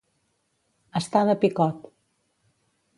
Estar de picot.